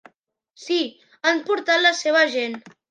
Sí, han portat la seva gent.